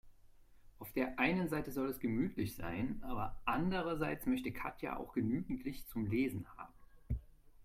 Auf der einen Seite soll es gemütlich sein, aber andererseits möchte Katja auch genügend Licht zum Lesen haben.